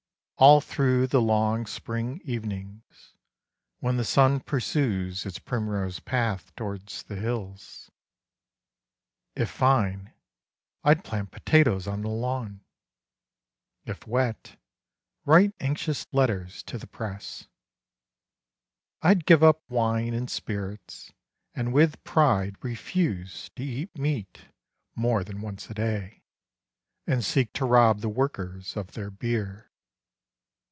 All through the long spring evenings, when the sun Pursues its primrose path towards the hills, If fine, I 'd plant potatoes on the lawn ; If wet, write anxious letters to the Press, I 'd give up wine and spirits, and with pride Refuse to eat meat more than once a day And seek to rob the workers of their beer.